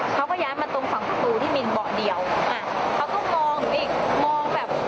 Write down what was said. เขาก็ย้ายมาตรงฝั่งประตูที่มีเบาะเดียวอ่าเขาก็มองหนูอีกมองแบบ